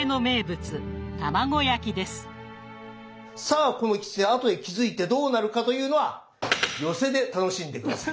さあこのきつね後で気付いてどうなるかというのは寄席で楽しんで下さいね。